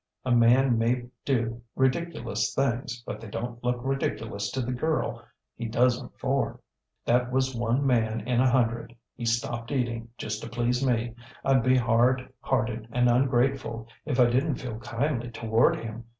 A man may do ridiculous things, but they donŌĆÖt look ridiculous to the girl he does ŌĆÖem for. That was one man in a hundred. He stopped eating just to please me. IŌĆÖd be hard hearted and ungrateful if I didnŌĆÖt feel kindly toward him.